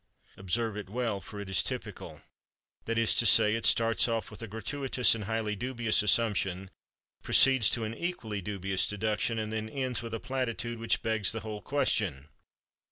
Observe it well, for it is typical. That is to say, it starts off with a gratuitous and highly dubious assumption, proceeds to an equally dubious deduction, and then ends with a platitude which begs the whole question.